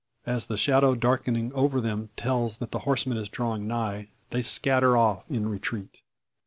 As the shadow darkening over them tells that the horseman is drawing nigh, they scatter off in retreat.